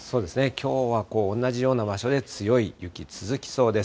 きょうは同じような場所で強い雪続きそうです。